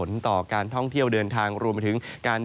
ในแต่ละพื้นที่เดี๋ยวเราไปดูกันนะครับ